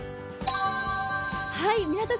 港区